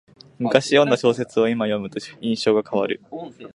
むかし読んだ小説をいま読むと印象が変わる